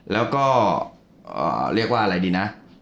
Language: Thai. แล้วก็เรียกว่าอะไรดีนะ